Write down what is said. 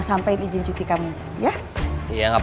sampaikan izin cuci kamu ya iya nggak